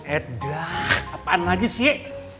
eh dah apaan lagi sih